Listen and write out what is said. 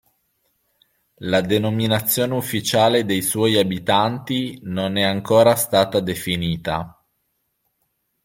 La denominazione ufficiale dei suoi abitanti non è ancora stata definita.